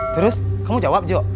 terus kamu jawab jo